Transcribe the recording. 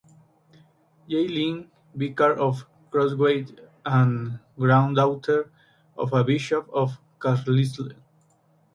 J. Lynn, vicar of Crosthwaite, and granddaughter of a bishop of Carlisle.